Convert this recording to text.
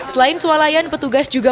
selain swalayan petugas juga